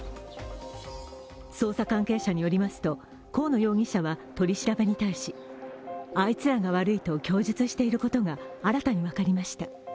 捜査関係者によりますと河野容疑者は取り調べに対しあいつらが悪いと供述していることが新たに分かりました。